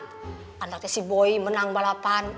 pandangnya si boy menang balapan